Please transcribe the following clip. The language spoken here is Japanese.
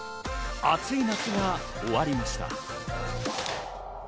熱い夏が終わりました。